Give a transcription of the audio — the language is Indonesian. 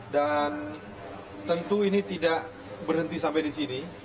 dan tentu ini tidak berhenti sampai di sini